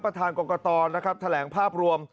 ประธานกรกตนะครับแถลงภาพรวม